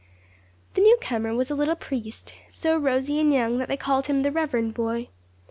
The new comer was a little priest; so rosy and young that they called him the 'Reverend Boy.'